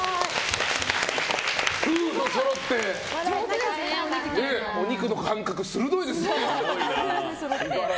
夫婦そろってお肉の感覚、鋭いですね。